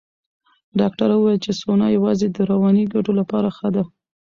ډاکټره وویل چې سونا یوازې د رواني ګټو لپاره ښه ده.